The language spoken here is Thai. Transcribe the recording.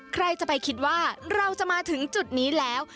ใครจะไปคิดว่าเราจะมาถึงจุดนี้แล้ว